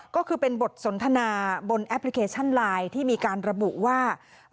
ก็คือเป็นบทสนทนาบนแอปพลิเคชันไลน์ที่มีการระบุว่า